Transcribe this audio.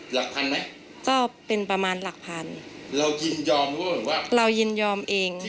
หลักพันไหมก็เป็นประมาณหลักพันเรายินยอมหรือว่าเรายินยอมเอง